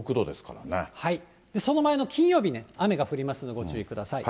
その前の金曜日ね、雨が降りますのでご注意ください。